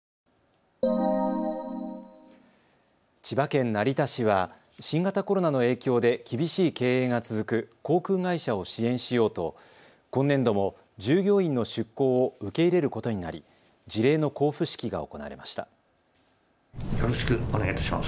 千葉県成田市は新型コロナの影響で厳しい経営が続く航空会社を支援しようと今年度も従業員の出向を受け入れることになり辞令の交付式が行われました。